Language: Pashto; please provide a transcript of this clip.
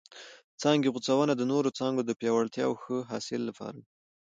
څانګې غوڅونه د نورو څانګو د پیاوړتیا او ښه حاصل لپاره ده.